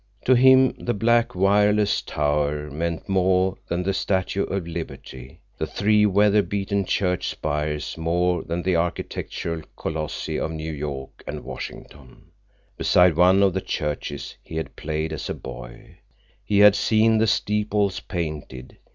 To him the black wireless tower meant more than the Statue of Liberty, the three weather beaten church spires more than the architectural colossi of New York and Washington. Beside one of the churches he had played as a boy. He had seen the steeples painted.